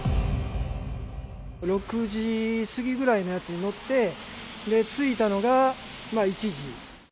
６時過ぎぐらいのやつに乗って、着いたのが１時。